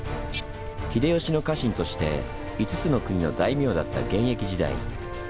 秀吉の家臣として５つの国の大名だった現役時代。